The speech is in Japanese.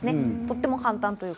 とっても簡単。